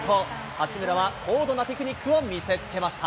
八村は高度なテクニックを見せつけました。